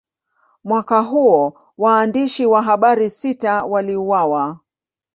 Mwaka huo, waandishi wa habari sita waliuawa.